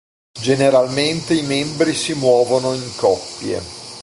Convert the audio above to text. Generalmente i membri si muovono in coppie.